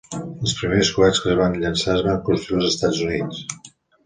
Els primers coets que es van llançar es van construir als Estats Units.